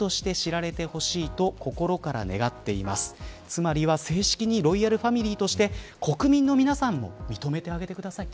つまりは正式にロイヤルファミリーとして国民の皆さんも認めてあげてください。